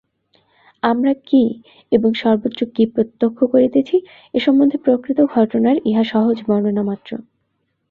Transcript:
আমরা কি এবং সর্বত্র কি প্রত্যক্ষ করিতেছি এ সম্বন্ধে প্রকৃত ঘটনার ইহা সহজ বর্ণনামাত্র।